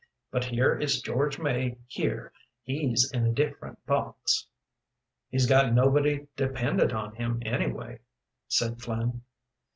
But here is George May here, he's in a different box." "He's got nobody dependent on him, anyway," said Flynn.